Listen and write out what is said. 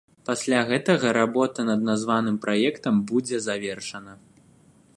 Пасля гэтага работа над названым праектам будзе завершана.